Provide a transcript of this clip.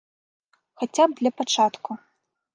Хаця б для пачатку.